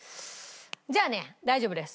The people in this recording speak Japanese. じゃあね大丈夫です。